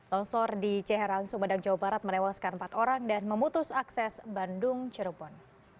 longsor di ciherang sumedang jawa barat menewaskan empat orang dan memutus akses bandung cirebon